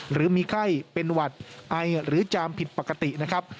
หรือมีไข้เป็นหวัดไอหรือจามผิดปกตินะครับ